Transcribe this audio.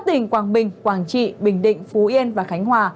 tỉnh quảng bình quảng trị bình định phú yên và khánh hòa